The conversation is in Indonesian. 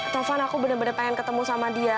taufan aku bener bener pengen ketemu sama dia